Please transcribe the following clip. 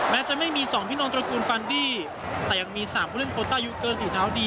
แม้จะไม่มีสองพินองตระกูลฟันดี้แต่ยังมีสามผู้เล่นโคตรอายุเกินสีเท้าดี